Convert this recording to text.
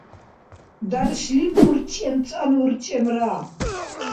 даршлим урчӀемцӀанну урчӀемра